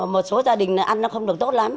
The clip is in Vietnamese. một số gia đình ăn nó không được tốt lắm